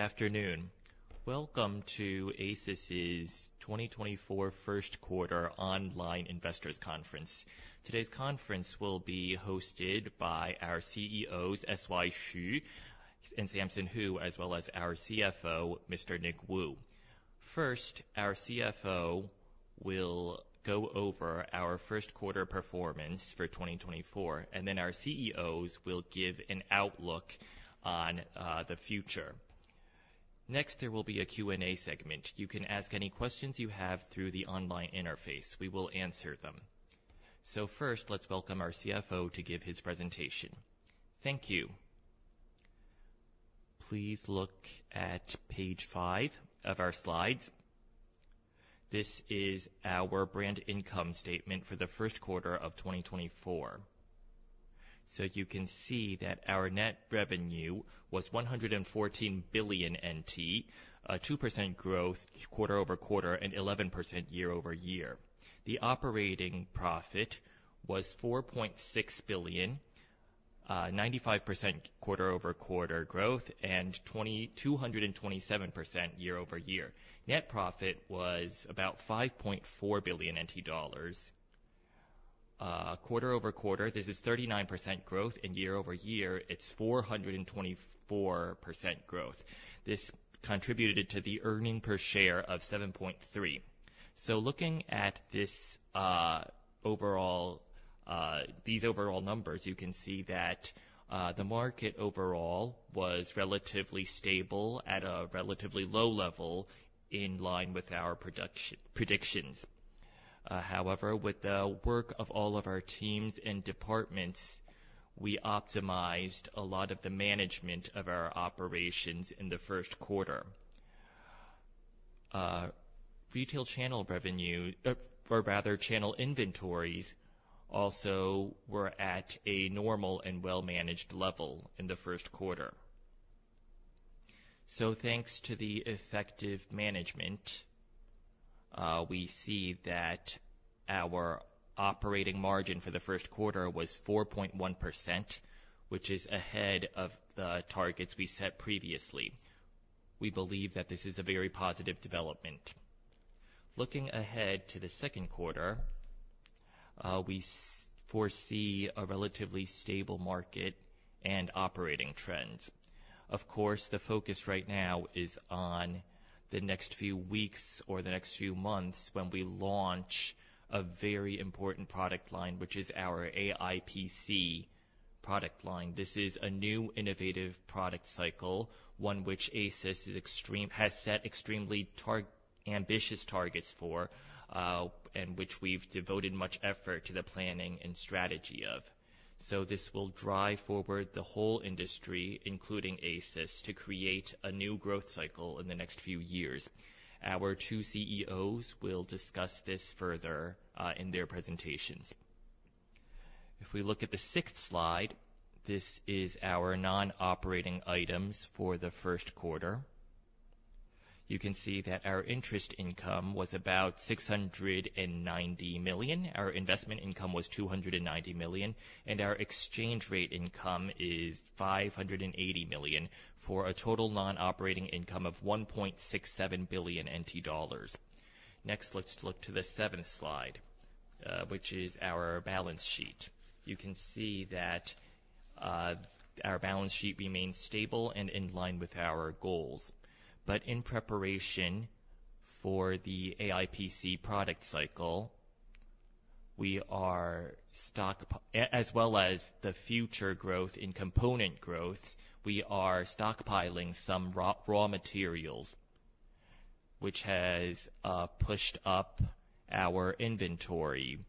Good afternoon. Welcome to ASUS's 2024 first-quarter online investors conference. Today's conference will be hosted by our CEOs, S.Y. Hsu and Samson Hu, as well as our CFO, Mr. Nick Wu. First, our CFO will go over our first-quarter performance for 2024, and then our CEOs will give an outlook on the future. Next, there will be a Q&A segment. You can ask any questions you have through the online interface. We will answer them. So first, let's welcome our CFO to give his presentation. Thank you. Please look at page 5 of our slides. This is our brand income statement for the first quarter of 2024. So you can see that our net revenue was 114 billion NT, 2% growth quarter-over-quarter and 11% year-over-year. The operating profit was 4.6 billion, 95% quarter-over-quarter growth and 227% year-over-year. Net profit was about 5.4 billion NT dollars. Quarter-over-quarter, this is 39% growth, and year-over-year it's 424% growth. This contributed to the earnings per share of 7.3. So looking at these overall numbers, you can see that the market overall was relatively stable at a relatively low level in line with our production predictions. However, with the work of all of our teams and departments, we optimized a lot of the management of our operations in the first quarter. Retail channel revenue, or rather channel inventories, also were at a normal and well-managed level in the first quarter. So thanks to the effective management, we see that our operating margin for the first quarter was 4.1%, which is ahead of the targets we set previously. We believe that this is a very positive development. Looking ahead to the second quarter, we foresee a relatively stable market and operating trends. Of course, the focus right now is on the next few weeks or the next few months when we launch a very important product line, which is our AI PC product line. This is a new innovative product cycle, one which ASUS has set extremely ambitious targets for and which we've devoted much effort to the planning and strategy of. So this will drive forward the whole industry, including ASUS, to create a new growth cycle in the next few years. Our two CEOs will discuss this further in their presentations. If we look at the sixth slide, this is our non-operating items for the first quarter. You can see that our interest income was about 690 million. Our investment income was 290 million, and our exchange rate income is 580 million for a total non-operating income of 1.67 billion NT dollars. Next, let's look to the seventh slide, which is our balance sheet. You can see that our balance sheet remains stable and in line with our goals. But in preparation for the AI PC product cycle, as well as the future growth in component growth, we are stockpiling some raw materials, which has pushed up our inventory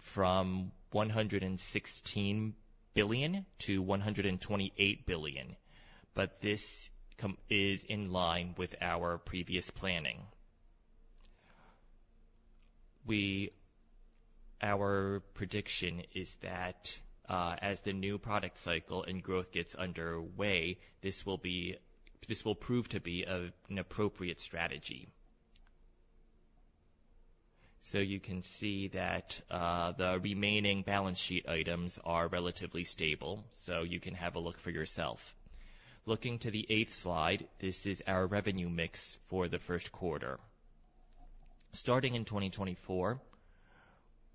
from 116 billion to 128 billion. But this is in line with our previous planning. Our prediction is that as the new product cycle and growth gets underway, this will prove to be an appropriate strategy. So you can see that the remaining balance sheet items are relatively stable, so you can have a look for yourself. Looking to the 8th slide, this is our revenue mix for the first quarter. Starting in 2024,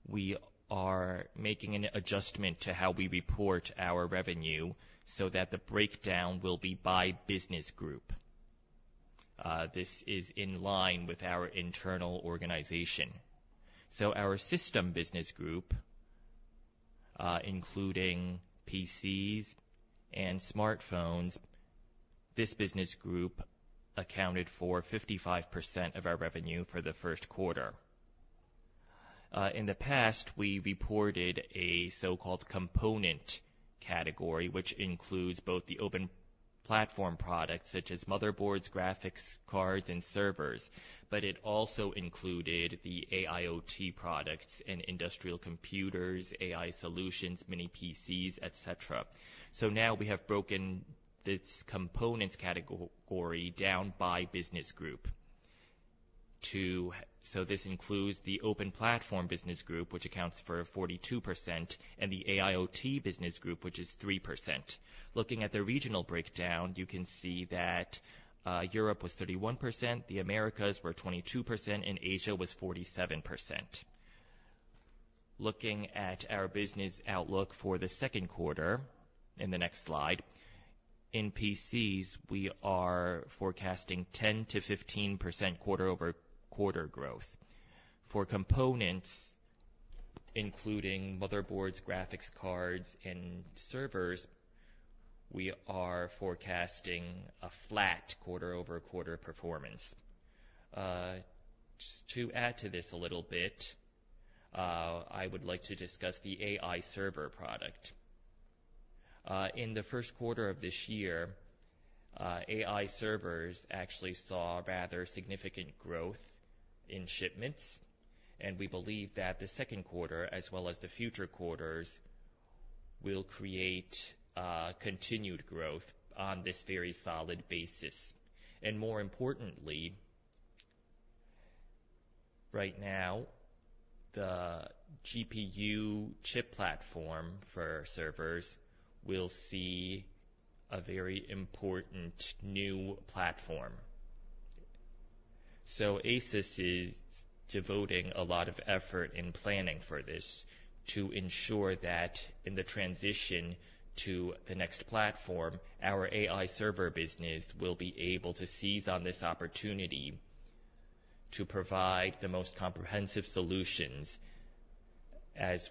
we are making an adjustment to how we report our revenue so that the breakdown will be by business group. This is in line with our internal organization. Our system business group, including PCs and smartphones, this business group accounted for 55% of our revenue for the first quarter. In the past, we reported a so-called component category, which includes both the open platform products such as motherboards, graphics cards, and servers, but it also included the AIoT products and industrial computers, AI solutions, mini PCs, etc. Now we have broken this component category down by business group. This includes the open platform business group, which accounts for 42%, and the AIoT business group, which is 3%. Looking at the regional breakdown, you can see that Europe was 31%, the Americas were 22%, and Asia was 47%. Looking at our business outlook for the second quarter in the next slide, in PCs, we are forecasting 10%-15% quarter-over-quarter growth. For components, including motherboards, graphics cards, and servers, we are forecasting a flat quarter-over-quarter performance. To add to this a little bit, I would like to discuss the AI server product. In the first quarter of this year, AI servers actually saw rather significant growth in shipments, and we believe that the second quarter, as well as the future quarters, will create continued growth on this very solid basis. More importantly, right now, the GPU chip platform for servers will see a very important new platform. So ASUS is devoting a lot of effort in planning for this to ensure that in the transition to the next platform, our AI server business will be able to seize on this opportunity to provide the most comprehensive solutions. And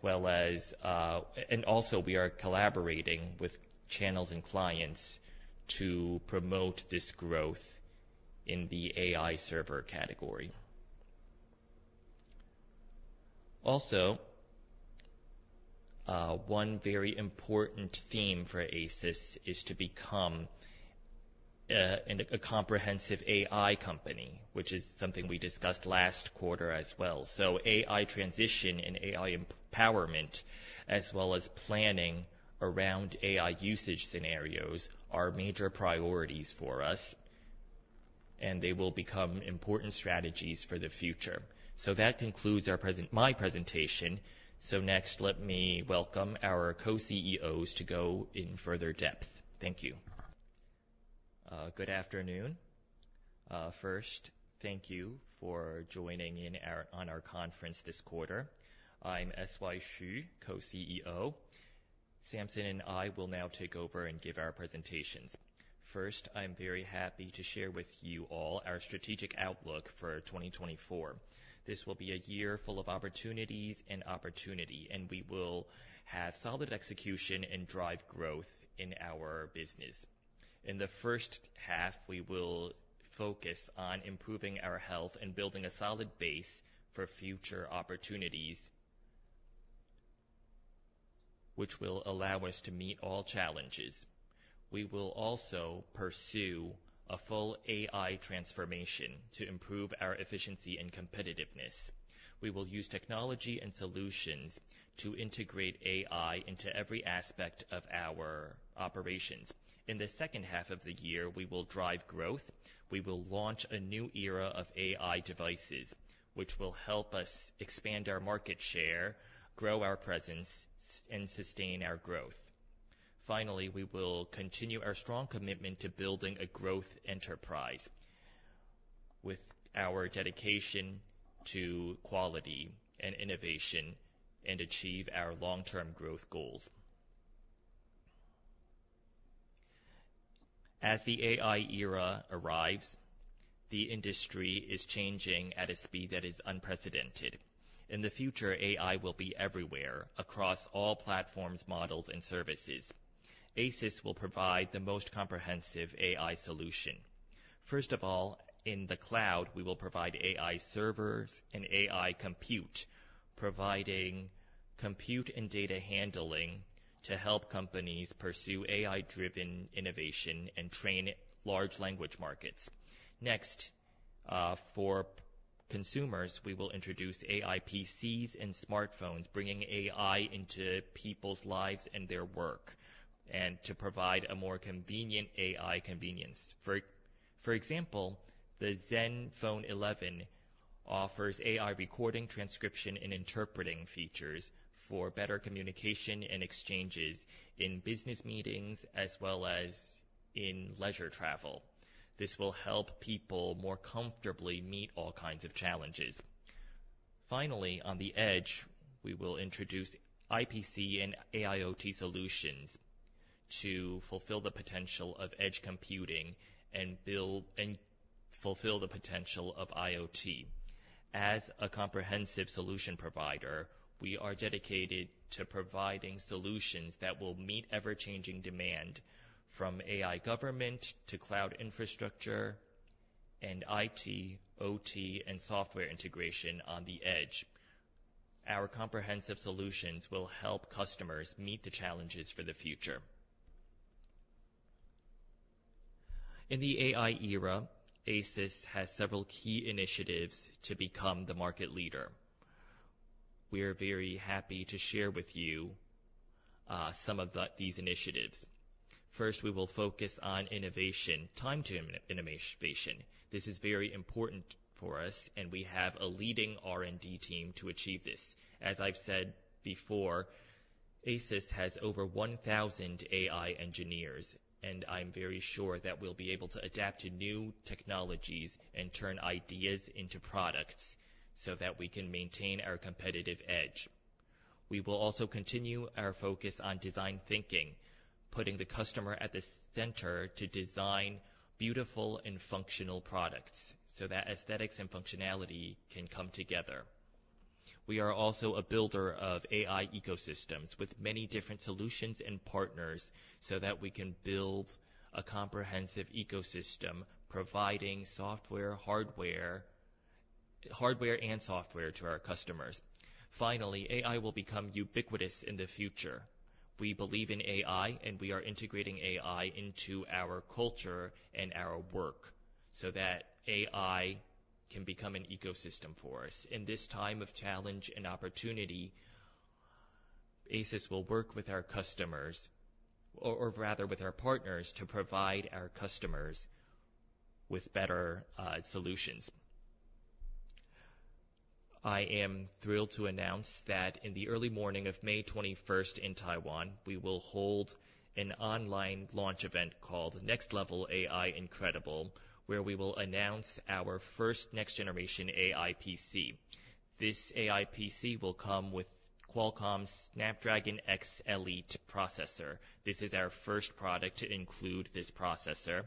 also, we are collaborating with channels and clients to promote this growth in the AI server category. Also, one very important theme for ASUS is to become a comprehensive AI company, which is something we discussed last quarter as well. So AI transition and AI empowerment, as well as planning around AI usage scenarios, are major priorities for us, and they will become important strategies for the future. So that concludes my presentation. So next, let me welcome our Co-CEOs to go in further depth. Thank you. Good afternoon. First, thank you for joining in on our conference this quarter. I'm S.Y. Hsu, Co-CEO. Samson and I will now take over and give our presentations. First, I'm very happy to share with you all our strategic outlook for 2024. This will be a year full of opportunities and opportunity, and we will have solid execution and drive growth in our business. In the first half, we will focus on improving our health and building a solid base for future opportunities, which will allow us to meet all challenges. We will also pursue a full AI transformation to improve our efficiency and competitiveness. We will use technology and solutions to integrate AI into every aspect of our operations. In the second half of the year, we will drive growth. We will launch a new era of AI devices, which will help us expand our market share, grow our presence, and sustain our growth. Finally, we will continue our strong commitment to building a growth enterprise with our dedication to quality and innovation and achieve our long-term growth goals. As the AI era arrives, the industry is changing at a speed that is unprecedented. In the future, AI will be everywhere across all platforms, models, and services. ASUS will provide the most comprehensive AI solution. First of all, in the cloud, we will provide AI servers and AI compute, providing compute and data handling to help companies pursue AI-driven innovation and train large language models. Next, for consumers, we will introduce AI PCs and smartphones, bringing AI into people's lives and their work and to provide a more convenient AI convenience. For example, the Zenfone 11 offers AI recording, transcription, and interpreting features for better communication and exchanges in business meetings as well as in leisure travel. This will help people more comfortably meet all kinds of challenges. Finally, on the edge, we will introduce IPC and AIoT solutions to fulfill the potential of edge computing and fulfill the potential of IoT. As a comprehensive solution provider, we are dedicated to providing solutions that will meet ever-changing demand from AI governance to cloud infrastructure and IT, OT, and software integration on the edge. Our comprehensive solutions will help customers meet the challenges for the future. In the AI era, ASUS has several key initiatives to become the market leader. We are very happy to share with you some of these initiatives. First, we will focus on innovation, time to innovation. This is very important for us, and we have a leading R&D team to achieve this. As I've said before, ASUS has over 1,000 AI engineers, and I'm very sure that we'll be able to adapt to new technologies and turn ideas into products so that we can maintain our competitive edge. We will also continue our focus on design thinking, putting the customer at the center to design beautiful and functional products so that aesthetics and functionality can come together. We are also a builder of AI ecosystems with many different solutions and partners so that we can build a comprehensive ecosystem, providing hardware and software to our customers. Finally, AI will become ubiquitous in the future. We believe in AI, and we are integrating AI into our culture and our work so that AI can become an ecosystem for us.In this time of challenge and opportunity, ASUS will work with our customers, or rather with our partners, to provide our customers with better solutions. I am thrilled to announce that in the early morning of May 21st in Taiwan, we will hold an online launch event called Next Level. AI Incredible, where we will announce our first next-generation AI PC. This AI PC will come with Qualcomm's Snapdragon X Elite processor. This is our first product to include this processor.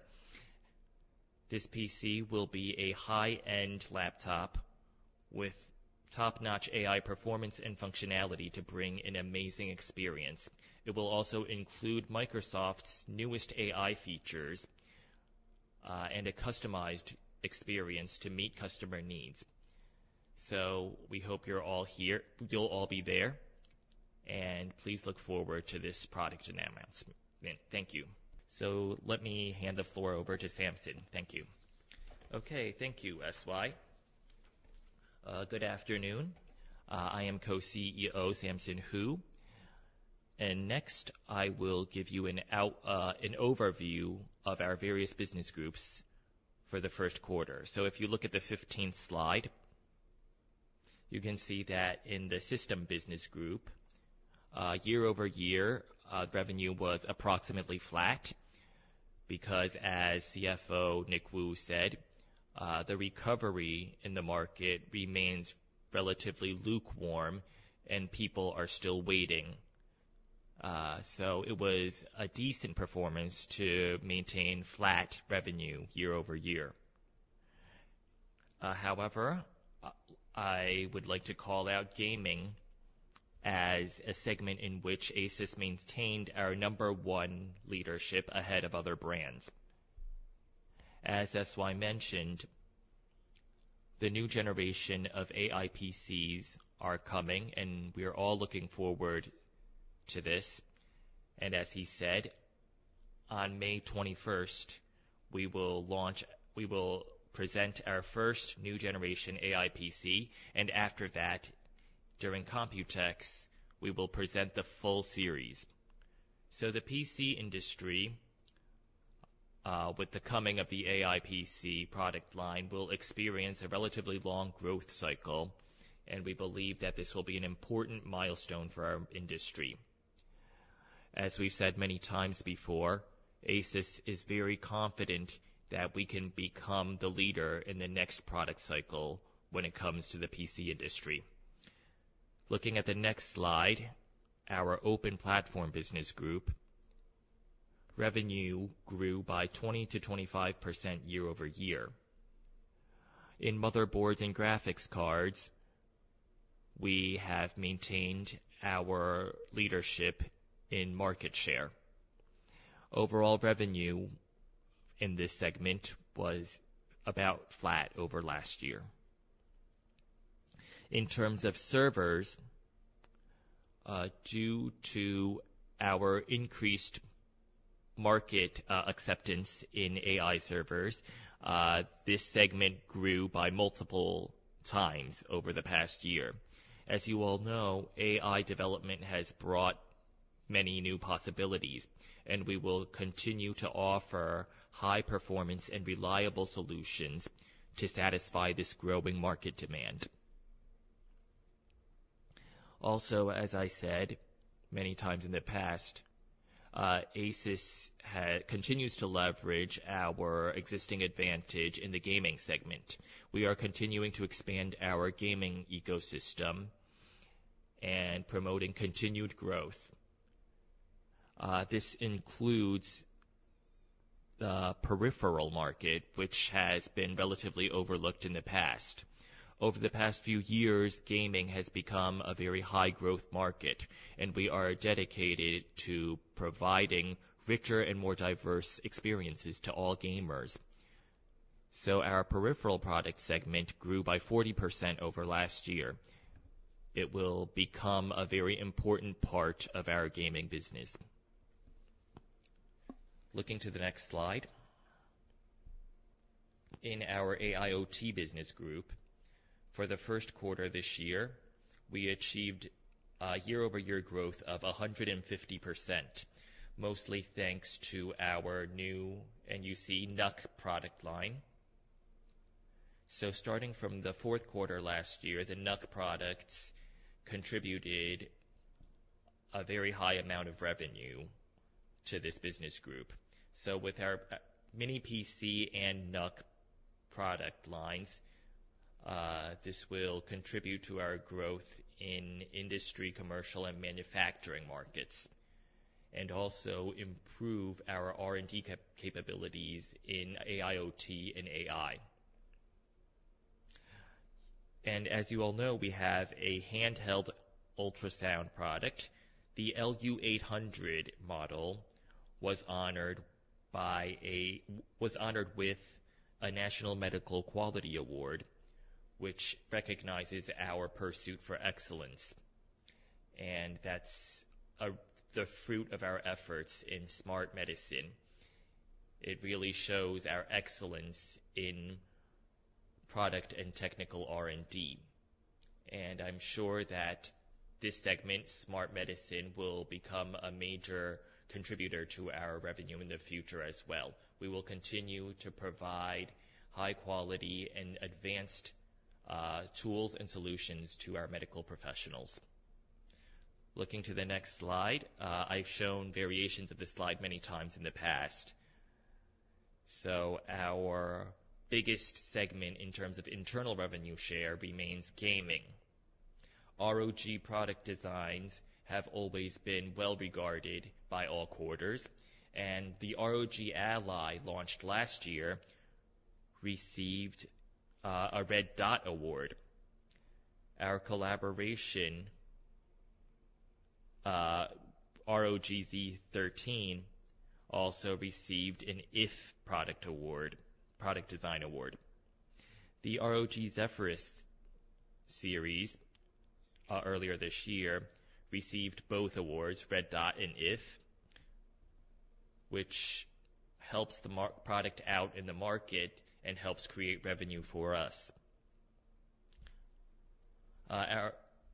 This PC will be a high-end laptop with top-notch AI performance and functionality to bring an amazing experience. It will also include Microsoft's newest AI features and a customized experience to meet customer needs. So we hope you'll all be there, and please look forward to this product announcement. Thank you. So let me hand the floor over to Samson. Thank you. Okay. Thank you, S.Y. Good afternoon. I am Co-CEO Samson Hu. Next, I will give you an overview of our various business groups for the first quarter. If you look at the 15th slide, you can see that in the system business group, year-over-year, revenue was approximately flat because, as CFO Nick Wu said, the recovery in the market remains relatively lukewarm, and people are still waiting. It was a decent performance to maintain flat revenue year-over-year. However, I would like to call out gaming as a segment in which ASUS maintained our number one leadership ahead of other brands. As S.Y. mentioned, the new generation of AI PCs are coming, and we are all looking forward to this. As he said, on May 21st, we will present our first new generation AI PC. After that, during Computex, we will present the full series. So the PC industry, with the coming of the AI PC product line, will experience a relatively long growth cycle, and we believe that this will be an important milestone for our industry. As we've said many times before, ASUS is very confident that we can become the leader in the next product cycle when it comes to the PC industry. Looking at the next slide, our open platform business group revenue grew by 20%-25% year-over-year. In motherboards and graphics cards, we have maintained our leadership in market share. Overall revenue in this segment was about flat over last year. In terms of servers, due to our increased market acceptance in AI servers, this segment grew by multiple times over the past year. As you all know, AI development has brought many new possibilities, and we will continue to offer high-performance and reliable solutions to satisfy this growing market demand. Also, as I said many times in the past, ASUS continues to leverage our existing advantage in the gaming segment. We are continuing to expand our gaming ecosystem and promoting continued growth. This includes the peripheral market, which has been relatively overlooked in the past. Over the past few years, gaming has become a very high-growth market, and we are dedicated to providing richer and more diverse experiences to all gamers. So our peripheral product segment grew by 40% over last year. It will become a very important part of our gaming business. Looking to the next slide, in our AIoT business group, for the first quarter this year, we achieved year-over-year growth of 150%, mostly thanks to our new NUC product line. Starting from the fourth quarter last year, the NUC products contributed a very high amount of revenue to this business group. With our mini PC and NUC product lines, this will contribute to our growth in industry, commercial, and manufacturing markets and also improve our R&D capabilities in AIoT and AI. As you all know, we have a handheld ultrasound product. The LU800 model was honored with a National Medical Quality Award, which recognizes our pursuit for excellence. That's the fruit of our efforts in smart medicine. It really shows our excellence in product and technical R&D. I'm sure that this segment, smart medicine, will become a major contributor to our revenue in the future as well. We will continue to provide high-quality and advanced tools and solutions to our medical professionals. Looking to the next slide, I've shown variations of this slide many times in the past. Our biggest segment in terms of internal revenue share remains gaming. ROG product designs have always been well regarded by all quarters, and the ROG Ally launched last year received a Red Dot Award. Our collaboration, ROG Z13, also received an iF Product Design Award. The ROG Zephyrus series earlier this year received both awards, Red Dot and iF, which helps the product out in the market and helps create revenue for us.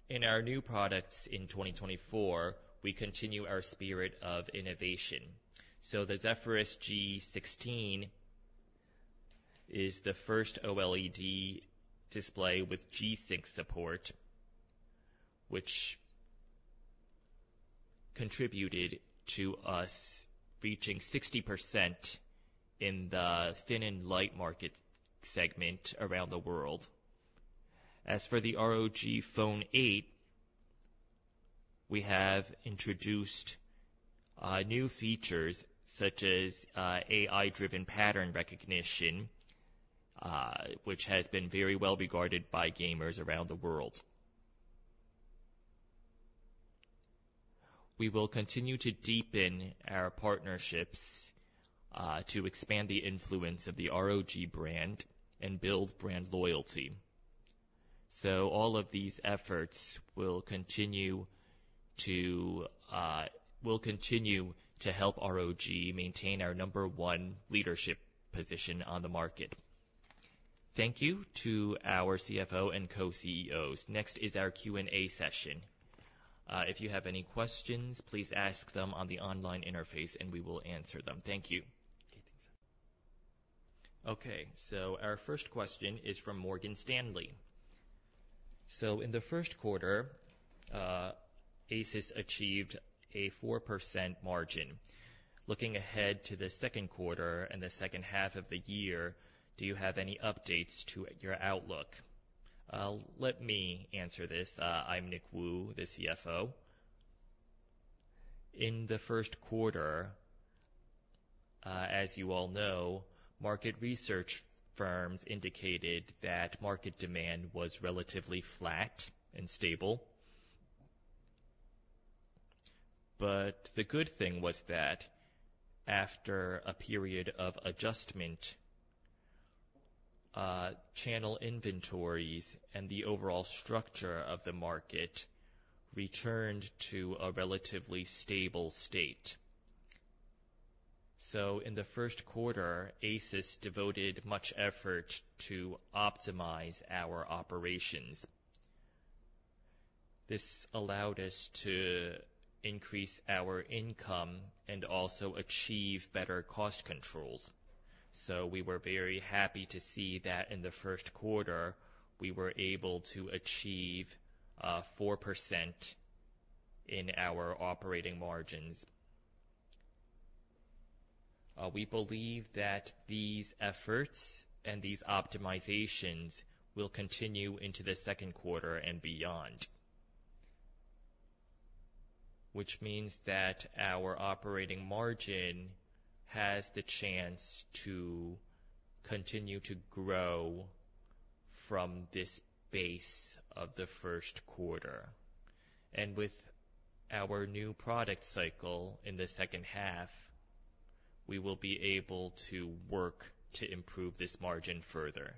In our new products in 2024, we continue our spirit of innovation. So the Zephyrus G16 is the first OLED display with G-SYNC support, which contributed to us reaching 60% in the thin and light market segment around the world. As for the ROG Phone 8, we have introduced new features such as AI-driven pattern recognition, which has been very well regarded by gamers around the world. We will continue to deepen our partnerships to expand the influence of the ROG brand and build brand loyalty. So all of these efforts will continue to help ROG maintain our number one leadership position on the market. Thank you to our CFO and co-CEOs. Next is our Q&A session. If you have any questions, please ask them on the online interface, and we will answer them. Thank you. Okay. So our first question is from Morgan Stanley. So in the first quarter, ASUS achieved a 4% margin. Looking ahead to the second quarter and the second half of the year, do you have any updates to your outlook? Let me answer this. I'm Nick Wu, the CFO. In the first quarter, as you all know, market research firms indicated that market demand was relatively flat and stable. But the good thing was that after a period of adjustment, channel inventories and the overall structure of the market returned to a relatively stable state. So in the first quarter, ASUS devoted much effort to optimize our operations. This allowed us to increase our income and also achieve better cost controls. So we were very happy to see that in the first quarter, we were able to achieve 4% in our operating margins. We believe that these efforts and these optimizations will continue into the second quarter and beyond, which means that our operating margin has the chance to continue to grow from this base of the first quarter. And with our new product cycle in the second half, we will be able to work to improve this margin further.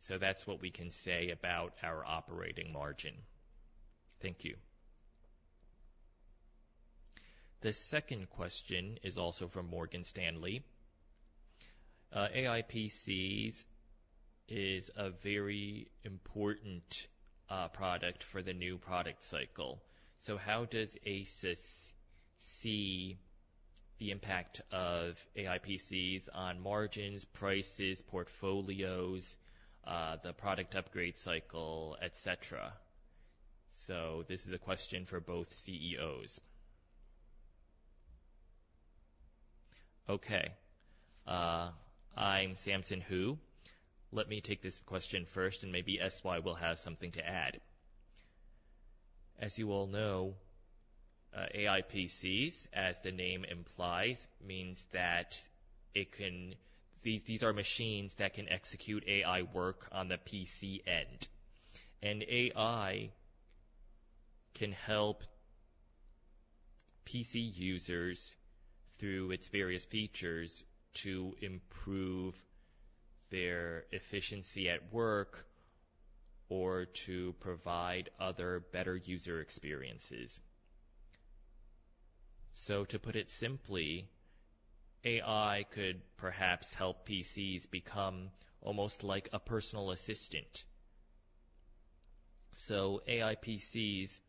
So that's what we can say about our operating margin. Thank you. The second question is also from Morgan Stanley. AI PCs is a very important product for the new product cycle. So how does ASUS see the impact of AI PCs on margins, prices, portfolios, the product upgrade cycle, etc.? So this is a question for both CEOs. Okay. I'm Samson Hu. Let me take this question first, and maybe S.Y. will have something to add. As you all know, AI PCs, as the name implies, means that these are machines that can execute AI work on the PC end. AI can help PC users through its various features to improve their efficiency at work or to provide other better user experiences. To put it simply, AI could perhaps help PCs become almost like a personal assistant. AI PCs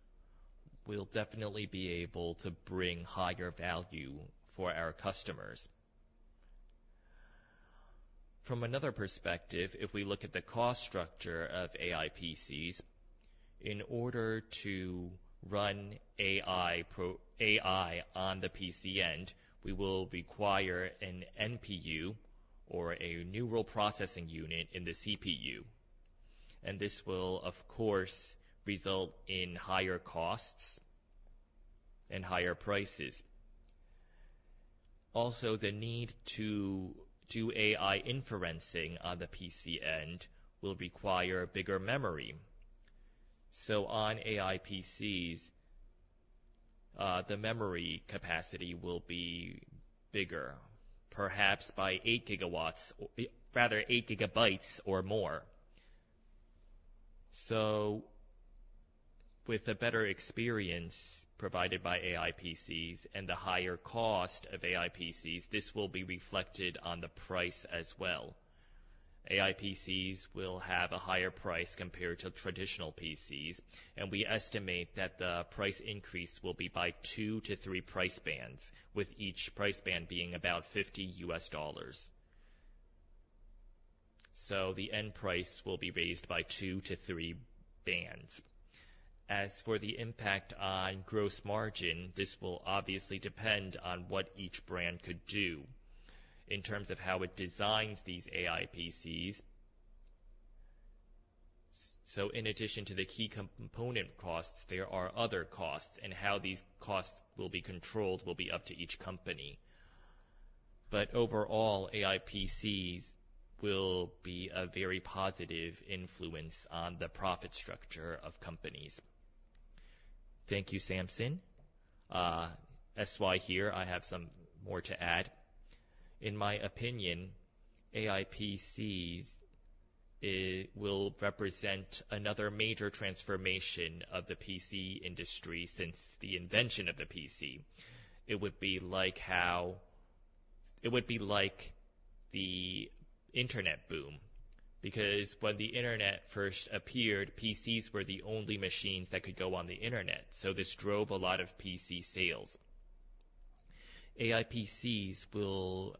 will definitely be able to bring higher value for our customers. From another perspective, if we look at the cost structure of AI PCs, in order to run AI on the PC end, we will require an NPU or a neural processing unit in the CPU. This will, of course, result in higher costs and higher prices. Also, the need to do AI inferencing on the PC end will require bigger memory. So on AI PCs, the memory capacity will be bigger, perhaps by 8 GB or more. So with the better experience provided by AI PCs and the higher cost of AI PCs, this will be reflected on the price as well. AI PCs will have a higher price compared to traditional PCs, and we estimate that the price increase will be by 2-3 price bands, with each price band being about $50. So the end price will be raised by 2-3 bands. As for the impact on gross margin, this will obviously depend on what each brand could do in terms of how it designs these AI PCs. So in addition to the key component costs, there are other costs, and how these costs will be controlled will be up to each company. But overall, AI PCs will be a very positive influence on the profit structure of companies. Thank you, Samson. S.Y. here. I have some more to add. In my opinion, AI PCs will represent another major transformation of the PC industry since the invention of the PC. It would be like how it would be like the internet boom because when the internet first appeared, PCs were the only machines that could go on the internet. So this drove a lot of PC sales. AI PCs will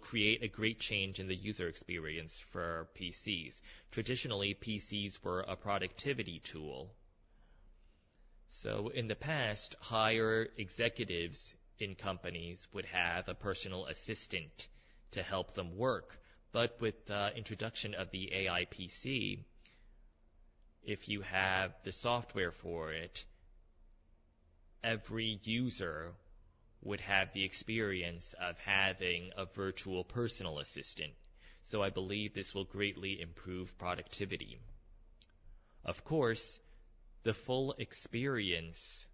create a great change in the user experience for PCs. Traditionally, PCs were a productivity tool. So in the past, higher executives in companies would have a personal assistant to help them work. But with the introduction of the AI PC, if you have the software for it, every user would have the experience of having a virtual personal assistant. So I believe this will greatly improve productivity. Of course, the full experience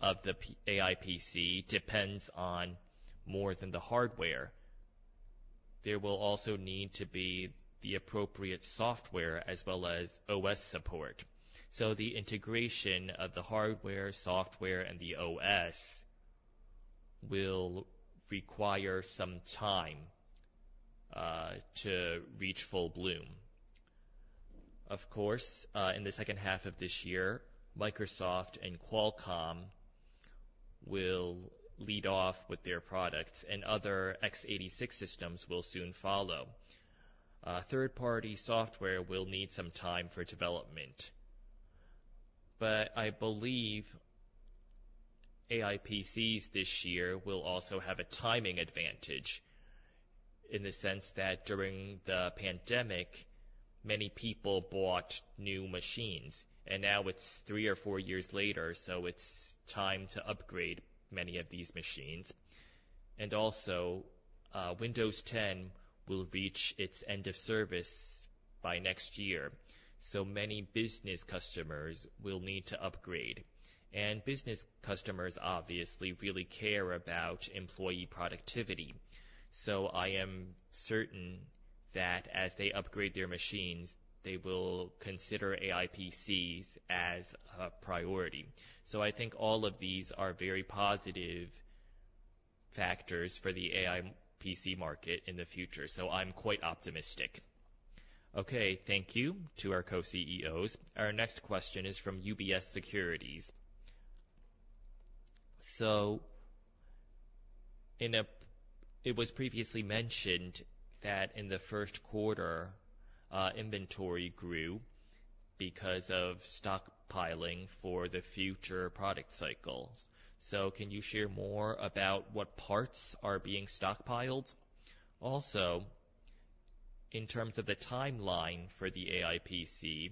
of the AI PC depends on more than the hardware. There will also need to be the appropriate software as well as OS support. So the integration of the hardware, software, and the OS will require some time to reach full bloom. Of course, in the second half of this year, Microsoft and Qualcomm will lead off with their products, and other x86 systems will soon follow. Third-party software will need some time for development. But I believe AI PCs this year will also have a timing advantage in the sense that during the pandemic, many people bought new machines, and now it's three or four years later, so it's time to upgrade many of these machines. Also, Windows 10 will reach its end of service by next year, so many business customers will need to upgrade. Business customers obviously really care about employee productivity. I am certain that as they upgrade their machines, they will consider AI PCs as a priority. I think all of these are very positive factors for the AI PC market in the future. I'm quite optimistic. Okay. Thank you to our Co-CEOs. Our next question is from UBS Securities. It was previously mentioned that in the first quarter, inventory grew because of stockpiling for the future product cycle. Can you share more about what parts are being stockpiled? Also, in terms of the timeline for the AI PC,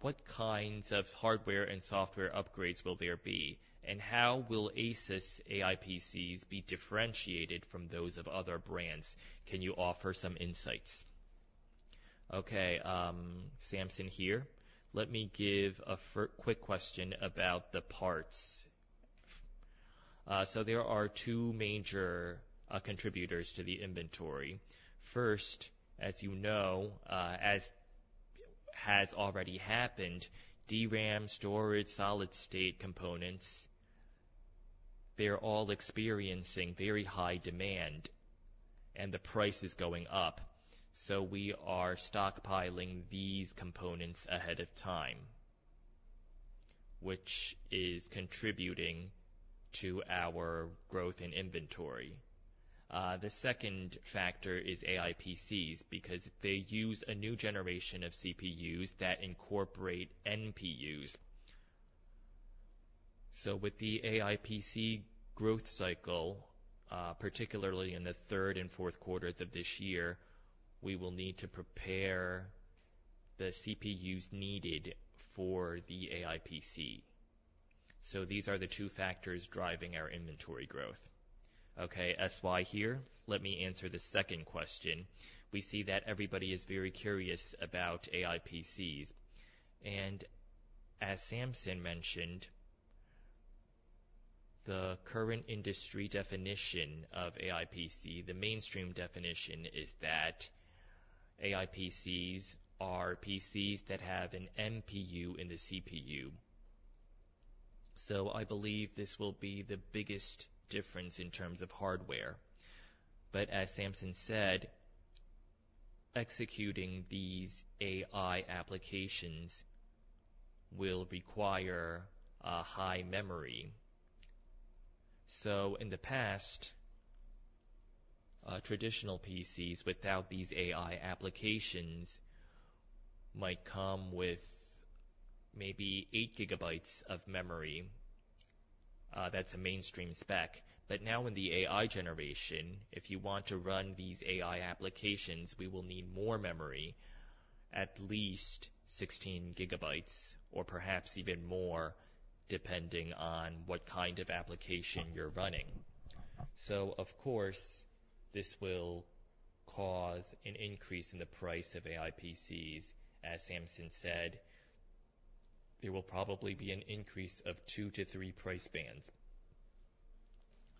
what kinds of hardware and software upgrades will there be, and how will ASUS AI PCs be differentiated from those of other brands? Can you offer some insights? Okay. Samson here. Let me give a quick question about the parts. So there are two major contributors to the inventory. First, as you know, as has already happened, DRAM, storage, solid-state components, they're all experiencing very high demand, and the price is going up. So we are stockpiling these components ahead of time, which is contributing to our growth in inventory. The second factor is AI PCs because they use a new generation of CPUs that incorporate NPUs. So with the AI PC growth cycle, particularly in the third and fourth quarters of this year, we will need to prepare the CPUs needed for the AI PC. So these are the two factors driving our inventory growth. Okay. S.Y. here. Let me answer the second question. We see that everybody is very curious about AI PCs. As Samson mentioned, the current industry definition of AI PC, the mainstream definition, is that AI PCs are PCs that have an NPU in the CPU. I believe this will be the biggest difference in terms of hardware. As Samson said, executing these AI applications will require high memory. In the past, traditional PCs without these AI applications might come with maybe 8 GB of memory. That's a mainstream spec. Now in the AI generation, if you want to run these AI applications, we will need more memory, at least 16 GB or perhaps even more depending on what kind of application you're running. Of course, this will cause an increase in the price of AI PCs. As Samson said, there will probably be an increase of 2-3 price bands.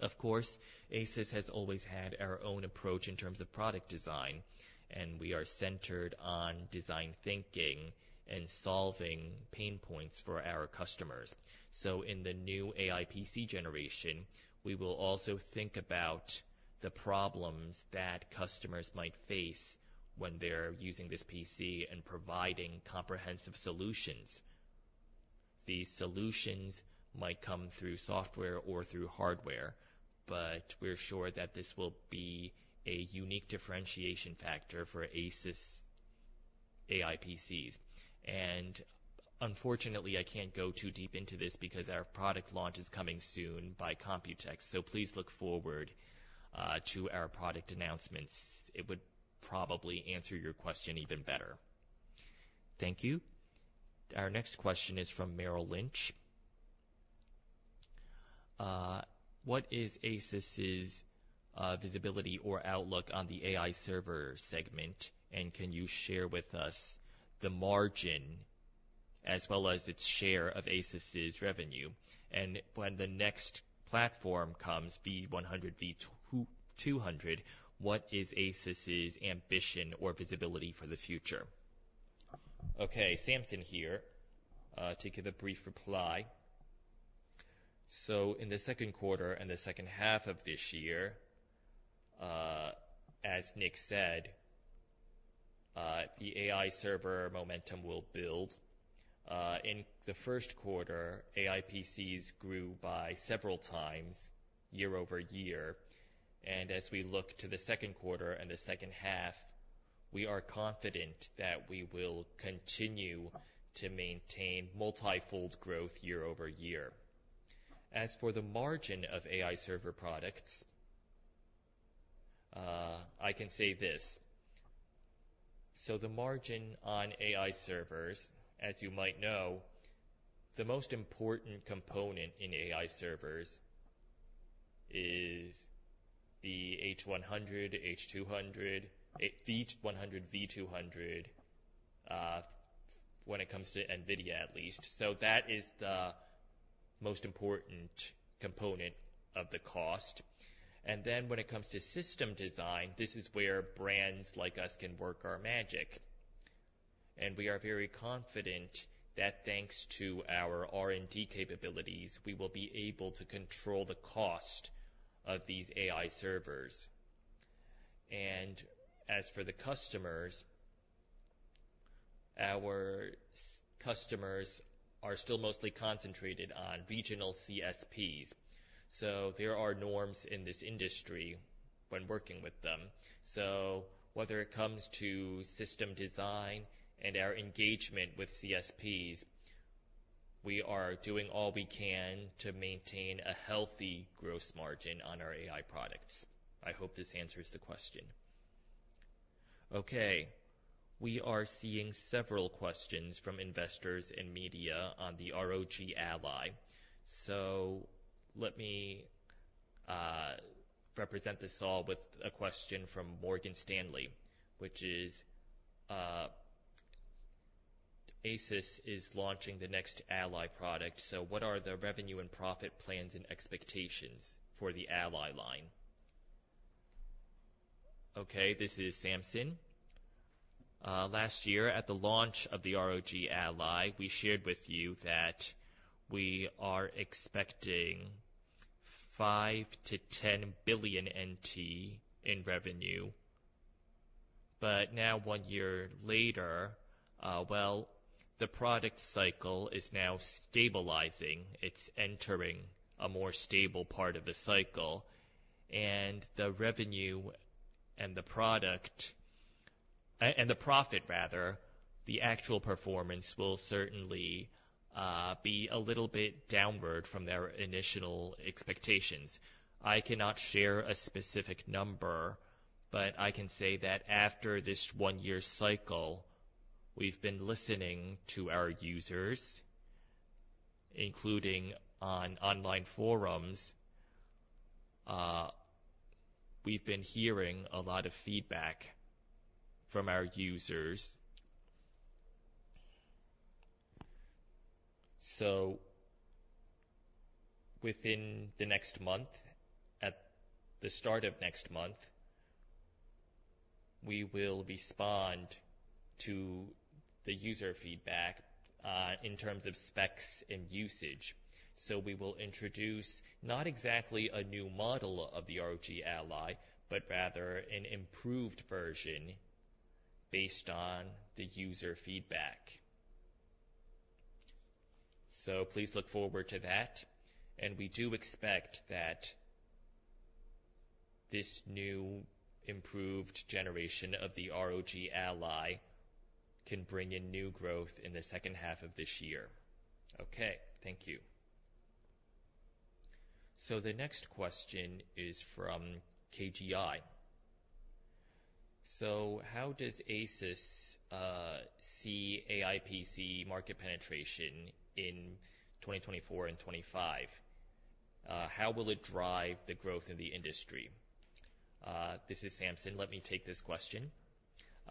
Of course, ASUS has always had our own approach in terms of product design, and we are centered on design thinking and solving pain points for our customers. So in the new AI PC generation, we will also think about the problems that customers might face when they're using this PC and providing comprehensive solutions. These solutions might come through software or through hardware, but we're sure that this will be a unique differentiation factor for ASUS AI PCs. And unfortunately, I can't go too deep into this because our product launch is coming soon by Computex, so please look forward to our product announcements. It would probably answer your question even better. Thank you. Our next question is from Merrill Lynch. What is ASUS's visibility or outlook on the AI server segment, and can you share with us the margin as well as its share of ASUS's revenue? And when the next platform comes, B100, B200, what is ASUS's ambition or visibility for the future? Okay. Samson here. To give a brief reply. So in the second quarter and the second half of this year, as Nick said, the AI server momentum will build. In the first quarter, AI PCs grew by several times year-over-year. And as we look to the second quarter and the second half, we are confident that we will continue to maintain multifold growth year-over-year. As for the margin of AI server products, I can say this. So the margin on AI servers, as you might know, the most important component in AI servers is the H100, H200, B100, B200 when it comes to NVIDIA, at least. So that is the most important component of the cost. And then when it comes to system design, this is where brands like us can work our magic. And we are very confident that thanks to our R&D capabilities, we will be able to control the cost of these AI servers. And as for the customers, our customers are still mostly concentrated on regional CSPs. So there are norms in this industry when working with them. So whether it comes to system design and our engagement with CSPs, we are doing all we can to maintain a healthy gross margin on our AI products. I hope this answers the question. Okay. We are seeing several questions from investors and media on the ROG Ally. So let me represent this all with a question from Morgan Stanley, which is ASUS is launching the next Ally product. So what are the revenue and profit plans and expectations for the Ally line? Okay. This is Samson. Last year, at the launch of the ROG Ally, we shared with you that we are expecting 5 billion-10 billion NT in revenue. But now, one year later, well, the product cycle is now stabilizing. It's entering a more stable part of the cycle. And the revenue and the product and the profit, rather, the actual performance will certainly be a little bit downward from their initial expectations. I cannot share a specific number, but I can say that after this one-year cycle, we've been listening to our users, including on online forums. We've been hearing a lot of feedback from our users. So within the next month, at the start of next month, we will respond to the user feedback in terms of specs and usage. We will introduce not exactly a new model of the ROG Ally, but rather an improved version based on the user feedback. Please look forward to that. We do expect that this new improved generation of the ROG Ally can bring in new growth in the second half of this year. Okay. Thank you. The next question is from KGI. How does ASUS see AI PC market penetration in 2024 and 2025? How will it drive the growth in the industry? This is Samson. Let me take this question.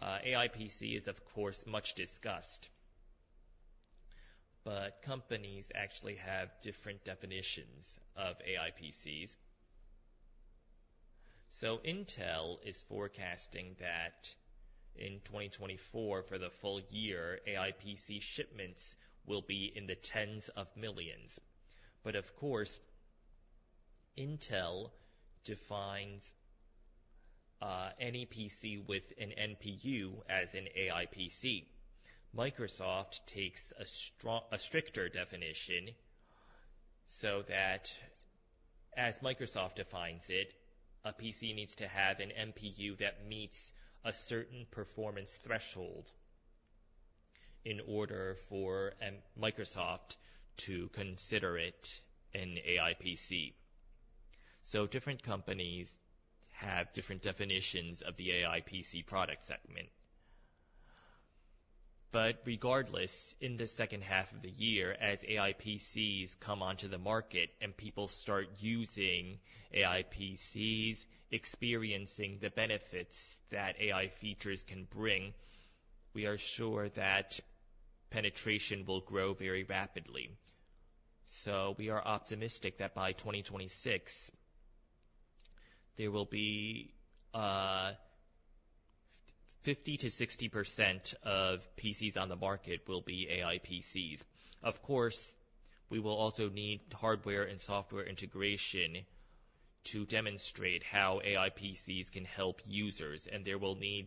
AI PC is, of course, much discussed, but companies actually have different definitions of AI PCs. Intel is forecasting that in 2024, for the full year, AI PC shipments will be in the tens of millions. But of course, Intel defines any PC with an NPU as an AI PC. Microsoft takes a stricter definition so that, as Microsoft defines it, a PC needs to have an NPU that meets a certain performance threshold in order for Microsoft to consider it an AI PC. So different companies have different definitions of the AI PC product segment. But regardless, in the second half of the year, as AI PCs come onto the market and people start using AI PCs, experiencing the benefits that AI features can bring, we are sure that penetration will grow very rapidly. So we are optimistic that by 2026, there will be 50%-60% of PCs on the market will be AI PCs. Of course, we will also need hardware and software integration to demonstrate how AI PCs can help users, and there will need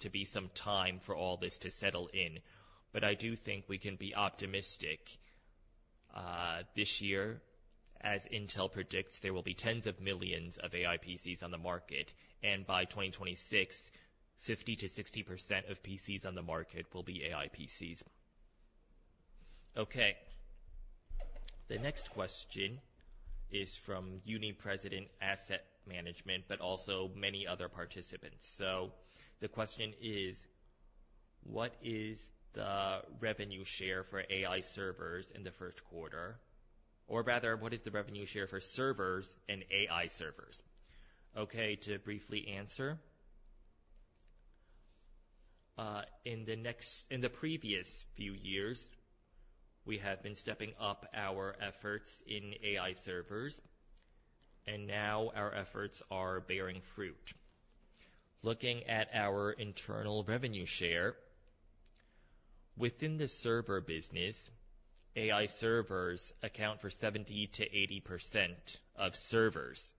to be some time for all this to settle in. But I do think we can be optimistic. This year, as Intel predicts, there will be tens of millions of AI PCs on the market. By 2026, 50%-60% of PCs on the market will be AI PCs. Okay. The next question is from Uni-President Asset Management, but also many other participants. The question is, what is the revenue share for AI servers in the first quarter? Or rather, what is the revenue share for servers and AI servers? Okay. To briefly answer, in the previous few years, we have been stepping up our efforts in AI servers, and now our efforts are bearing fruit. Looking at our internal revenue share, within the server business, AI servers account for 70%-80% of servers.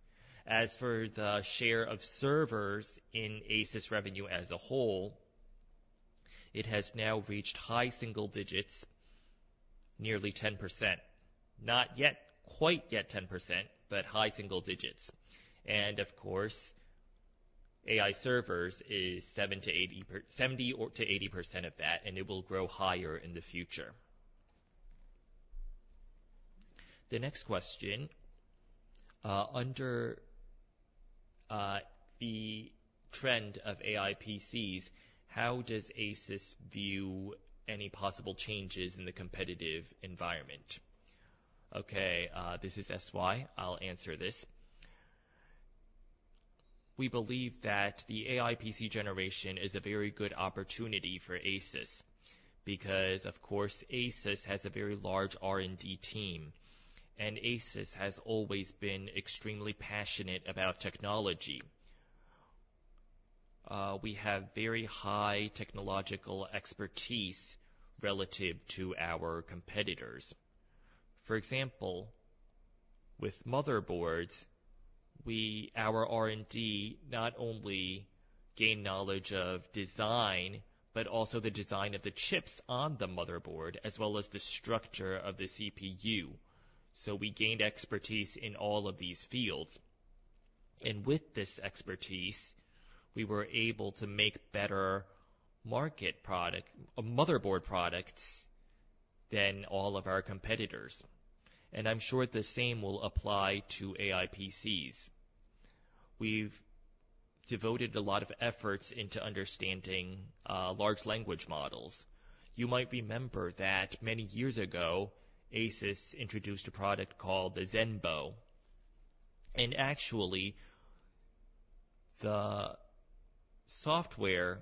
As for the share of servers in ASUS revenue as a whole, it has now reached high single digits, nearly 10%. Not yet, quite yet 10%, but high single digits. Of course, AI servers is 70%-80% of that, and it will grow higher in the future. The next question. Under the trend of AI PCs, how does ASUS view any possible changes in the competitive environment? Okay. This is S.Y. I'll answer this. We believe that the AI PC generation is a very good opportunity for ASUS because, of course, ASUS has a very large R&D team, and ASUS has always been extremely passionate about technology. We have very high technological expertise relative to our competitors. For example, with motherboards, our R&D not only gained knowledge of design but also the design of the chips on the motherboard as well as the structure of the CPU. So we gained expertise in all of these fields. With this expertise, we were able to make better motherboard products than all of our competitors. I'm sure the same will apply to AI PCs. We've devoted a lot of efforts into understanding large language models. You might remember that many years ago, ASUS introduced a product called the Zenbo. Actually, the software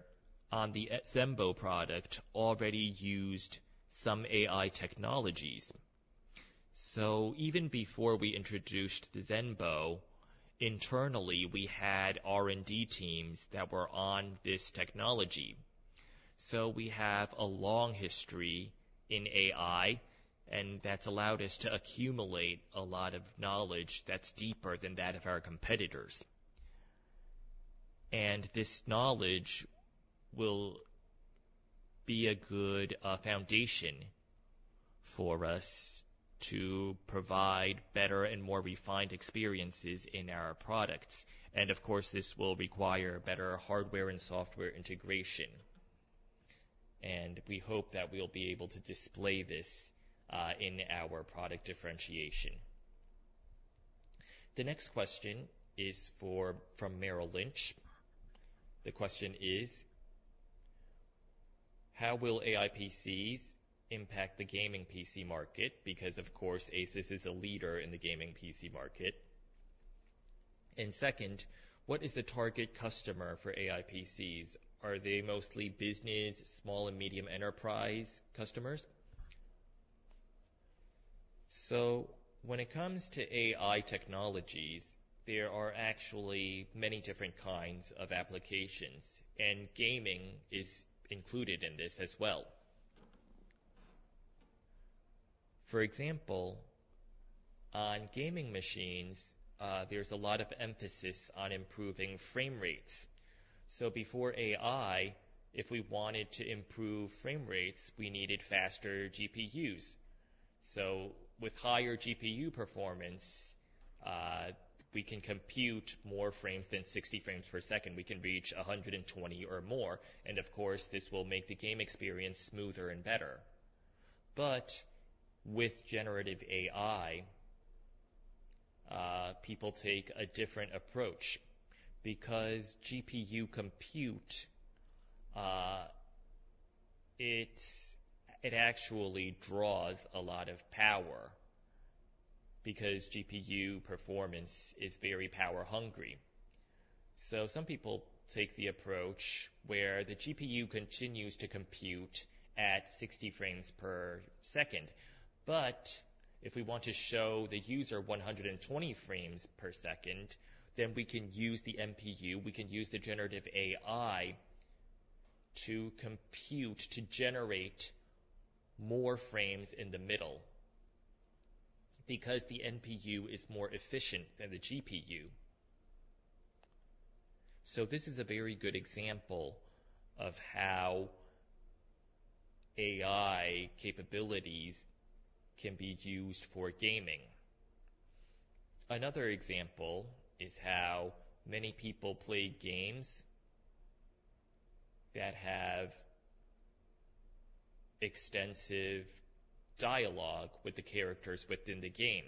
on the Zenbo product already used some AI technologies. Even before we introduced the Zenbo, internally, we had R&D teams that were on this technology. We have a long history in AI, and that's allowed us to accumulate a lot of knowledge that's deeper than that of our competitors. This knowledge will be a good foundation for us to provide better and more refined experiences in our products. Of course, this will require better hardware and software integration. We hope that we'll be able to display this in our product differentiation. The next question is from Merrill Lynch. The question is, how will AI PCs impact the gaming PC market? Because, of course, ASUS is a leader in the gaming PC market. And second, what is the target customer for AI PCs? Are they mostly business, small and medium enterprise customers? When it comes to AI technologies, there are actually many different kinds of applications, and gaming is included in this as well. For example, on gaming machines, there's a lot of emphasis on improving frame rates. Before AI, if we wanted to improve frame rates, we needed faster GPUs. With higher GPU performance, we can compute more frames than 60 frames per second. We can reach 120 or more. And of course, this will make the game experience smoother and better. But with generative AI, people take a different approach because GPU compute actually draws a lot of power because GPU performance is very power-hungry. So some people take the approach where the GPU continues to compute at 60 frames per second. But if we want to show the user 120 frames per second, then we can use the NPU. We can use the generative AI to compute, to generate more frames in the middle because the NPU is more efficient than the GPU. So this is a very good example of how AI capabilities can be used for gaming. Another example is how many people play games that have extensive dialogue with the characters within the game.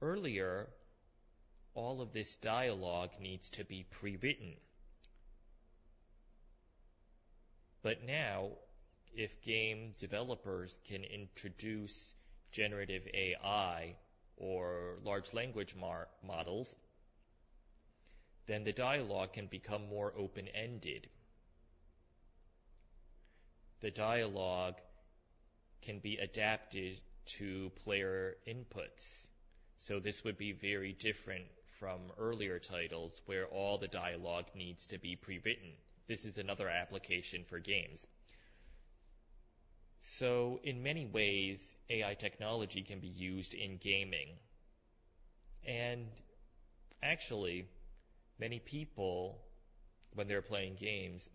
Earlier, all of this dialogue needs to be pre-written. But now, if game developers can introduce generative AI or large language models, then the dialogue can become more open-ended. The dialogue can be adapted to player inputs. So this would be very different from earlier titles where all the dialogue needs to be pre-written. This is another application for games. So in many ways, AI technology can be used in gaming. And actually, many people, when they're playing games,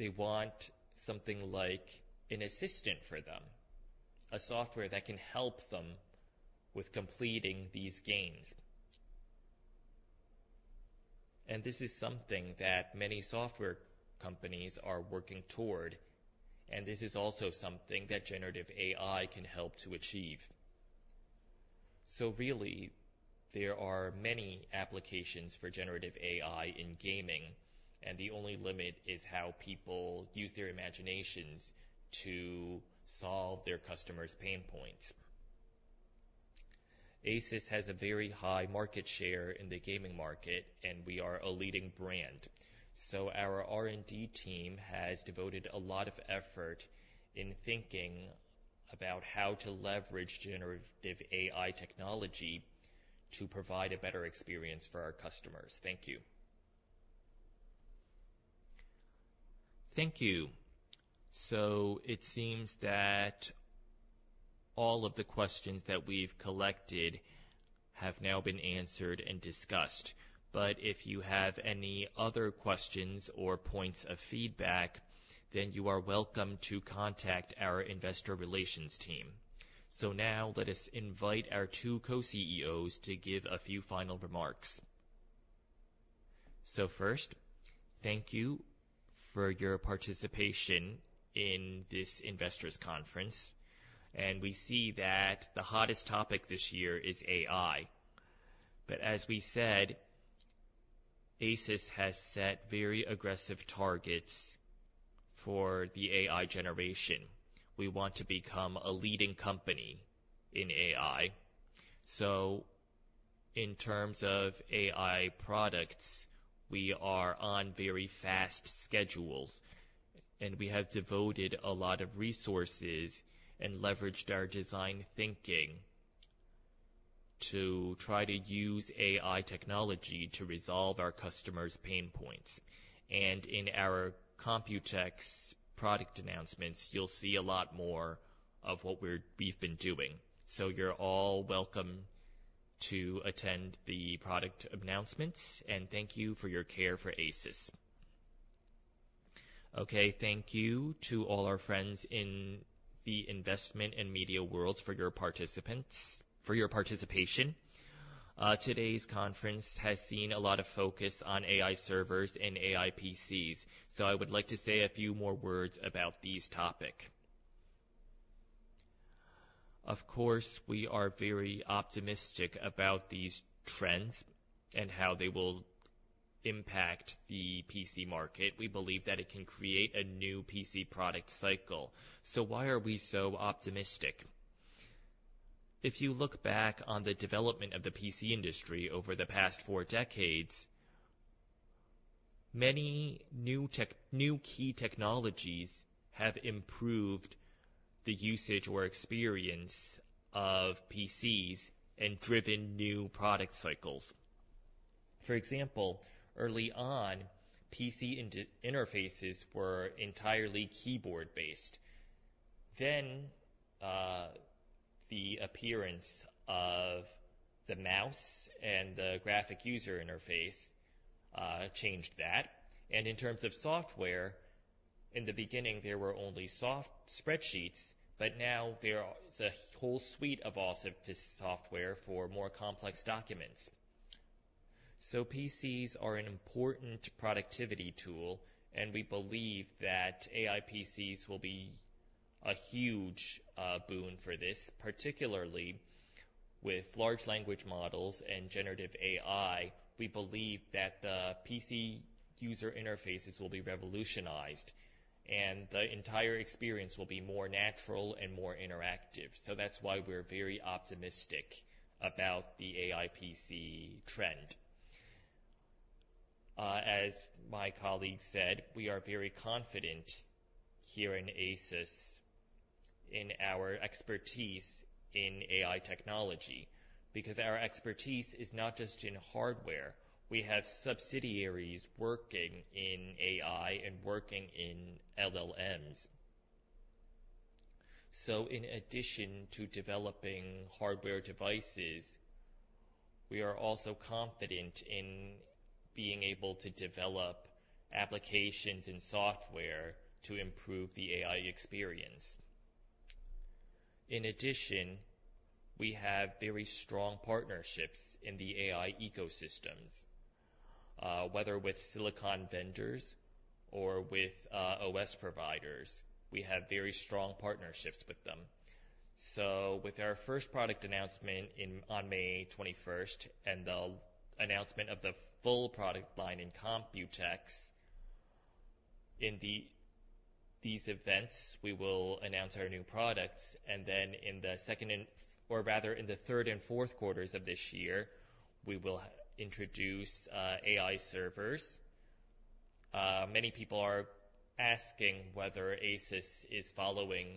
they want something like an assistant for them, a software that can help them with completing these games. And this is something that many software companies are working toward, and this is also something that generative AI can help to achieve. So really, there are many applications for generative AI in gaming, and the only limit is how people use their imaginations to solve their customers' pain points. ASUS has a very high market share in the gaming market, and we are a leading brand. So our R&D team has devoted a lot of effort in thinking about how to leverage generative AI technology to provide a better experience for our customers. Thank you. Thank you. So it seems that all of the questions that we've collected have now been answered and discussed. But if you have any other questions or points of feedback, then you are welcome to contact our investor relations team. So now let us invite our two Co-CEOs to give a few final remarks. So first, thank you for your participation in this investors' conference. And we see that the hottest topic this year is AI. But as we said, ASUS has set very aggressive targets for the AI generation. We want to become a leading company in AI. In terms of AI products, we are on very fast schedules, and we have devoted a lot of resources and leveraged our design thinking to try to use AI technology to resolve our customers' pain points. In our Computex product announcements, you'll see a lot more of what we've been doing. You're all welcome to attend the product announcements. Thank you for your care for ASUS. Okay. Thank you to all our friends in the investment and media worlds for your participation. Today's conference has seen a lot of focus on AI servers and AI PCs. I would like to say a few more words about this topic. Of course, we are very optimistic about these trends and how they will impact the PC market. We believe that it can create a new PC product cycle. Why are we so optimistic? If you look back on the development of the PC industry over the past four decades, many new key technologies have improved the usage or experience of PCs and driven new product cycles. For example, early on, PC interfaces were entirely keyboard-based. Then the appearance of the mouse and the graphic user interface changed that. And in terms of software, in the beginning, there were only soft spreadsheets, but now there is a whole suite of software for more complex documents. So PCs are an important productivity tool, and we believe that AI PCs will be a huge boon for this. Particularly with large language models and generative AI, we believe that the PC user interfaces will be revolutionized, and the entire experience will be more natural and more interactive. So that's why we're very optimistic about the AI PC trend. As my colleague said, we are very confident here in ASUS in our expertise in AI technology because our expertise is not just in hardware. We have subsidiaries working in AI and working in LLMs. So in addition to developing hardware devices, we are also confident in being able to develop applications and software to improve the AI experience. In addition, we have very strong partnerships in the AI ecosystems. Whether with silicon vendors or with OS providers, we have very strong partnerships with them. So with our first product announcement on May 21st and the announcement of the full product line in Computex, in these events, we will announce our new products. And then in the second or rather in the third and fourth quarters of this year, we will introduce AI servers. Many people are asking whether ASUS is following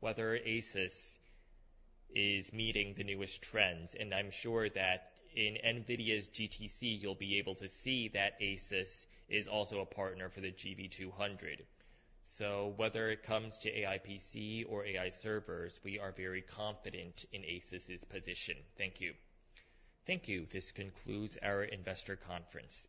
whether ASUS is meeting the newest trends. I'm sure that in NVIDIA's GTC, you'll be able to see that ASUS is also a partner for the GB200. So whether it comes to AI PC or AI servers, we are very confident in ASUS's position. Thank you. Thank you. This concludes our investor conference.